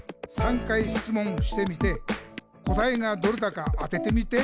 「３回しつもんしてみて答えがどれだか当ててみて！」